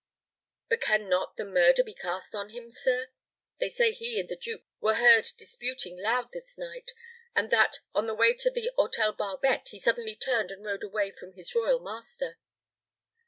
But can not the murder be cast on him, sir? They say he and the duke were heard disputing loud this night; and that, on the way to the Hôtel Barbette, he suddenly turned and rode away from his royal master."